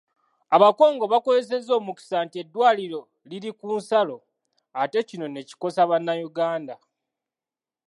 Abakongo bakozesa omukisa nti eddwaliro liri ku nsalo, ate kino ne kikosa Bannayuganda